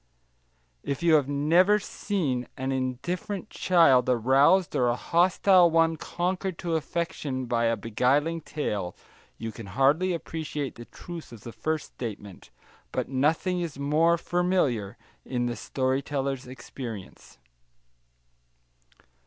If you have never seen an indifferent child aroused or a hostile one conquered to affection by a beguiling tale, you can hardly appreciate the truth of the first statement; but nothing is more familiar in the story teller's experience.